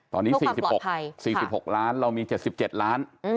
ตอนนี้๔๖๔๖ล้านเรามี๗๗ล้าน